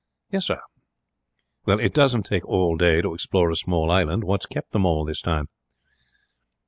'Yes, sir.' 'Well, it doesn't take all day to explore a small island. What's kept them all this while?'